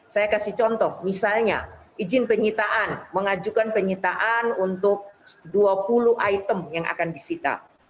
saya kasih contoh misalnya izin penyitaan mengajukan penyitaan untuk dua puluh item yang akan disita